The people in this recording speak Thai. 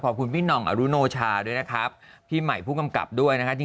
ขอบคุณพี่นองอรุโนชาด้วยนะครับพี่ใหม่ผู้กำกับด้วยนะครับ